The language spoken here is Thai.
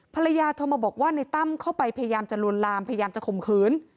ภรรยาโทรมาบอกว่าในตั้มเข้าไปพยายามจะลวนลามพยายามจะข่มขืน